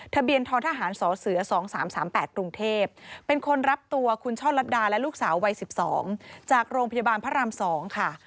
ทนทหารสเส๒๓๓๘กรุงเทพเป็นคนรับตัวคุณช่อลัดดาและลูกสาววัย๑๒จากโรงพยาบาลพระราม๒ค่ะ